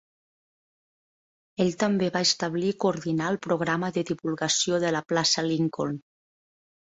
Ell també va establir i coordinar el programa de divulgació de la plaça Lincoln.